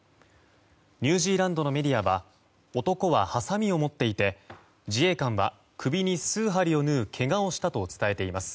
ニュージーランドのメディアは男は、はさみを持っていて自衛官は首に数針を縫うけがをしたと伝えています。